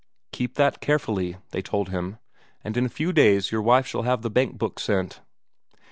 "Keep that carefully," they told him, "and in a few days your wife shall have the bankbook sent."